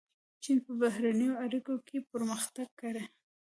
چین په بهرنیو اړیکو کې پرمختګ کړی.